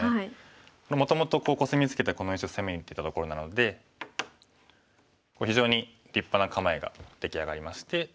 これもともとコスミツケたこの石を攻めにいってたところなので非常に立派な構えが出来上がりまして。